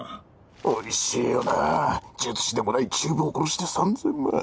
おいしいよなぁ術師でもない中坊殺して３０００万。